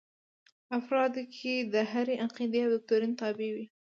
افراد که د هرې عقیدې او دوکتورین تابع وي.